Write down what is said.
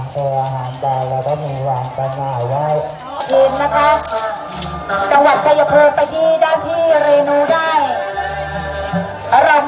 ใครอาหารเด้านาแล้วก็มีหวังจะไหนใคร